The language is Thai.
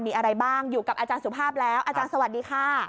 มีอะไรบ้างอยู่กับอาจารย์สุภาพแล้วอาจารย์สวัสดีค่ะ